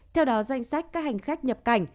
theo đó danh sách các hành khách nhập cảnh